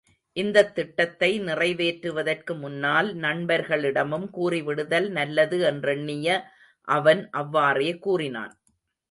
இந்தத் திட்டத்தை நிறைவேற்றுவதற்கு முன்னால், நண்பர்களிடமும் கூறிவிடுதல் நல்லது என்றெண்ணிய அவன் அவ்வாறே கூறினான்.